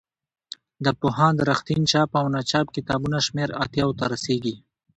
د پوهاند رښتین چاپ او ناچاپ کتابونو شمېر اتیاوو ته رسیږي.